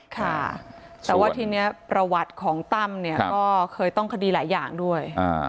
ค่ะแต่ว่าทีนี้ประวัติของตั้มเนี่ยก็เคยต้องคดีหลายอย่างด้วย